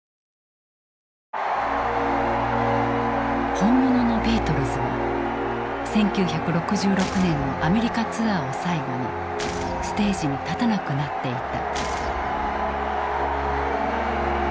本物のビートルズは１９６６年のアメリカ・ツアーを最後にステージに立たなくなっていた。